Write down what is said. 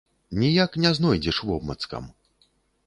Ніяк не знойдзеш вобмацкам.